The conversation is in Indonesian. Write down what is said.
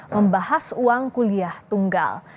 membahas uang kuliah tunggal